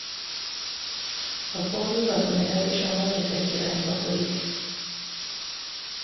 Az Or nyugaton ered és onnan északi irányba folyik.